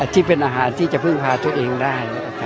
ที่เป็นอาหารที่จะพึ่งพาตัวเองได้